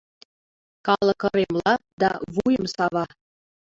Калык ыремла да вуйым сава.